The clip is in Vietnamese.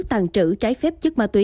tàn trữ trái phép chất ma túy